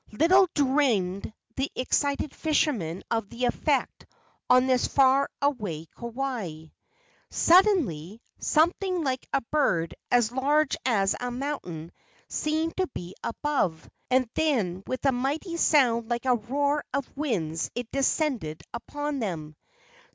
Little dreamed the excited fishermen of the effect of this on far away Kauai. A GIANT'S ROCK THROWING 2 5 Suddenly something like a bird as large as a mountain seemed to be above, and then with a mighty sound like the roar of winds it descended upon them.